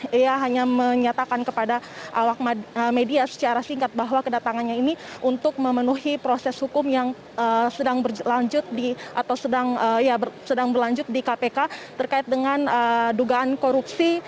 dia hanya menyatakan kepada awak media secara singkat bahwa kedatangannya ini untuk memenuhi proses hukum yang sedang berlanjut atau sedang berlanjut di kpk terkait dengan dugaan korupsi